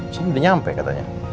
sini udah nyampe katanya